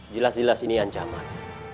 jelas jelas ini ancaman